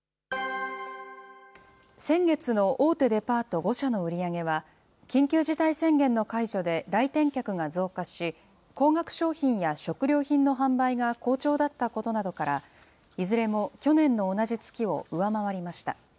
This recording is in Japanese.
先月の大手デパート５社の売り上げは、緊急事態宣言の解除で来店客が増加し、高額商品や食料品の販売が好調だったことなどから、いずれも去年の同じ月を上回りました。